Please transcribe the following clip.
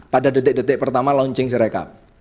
pada detik detik pertama launching serekap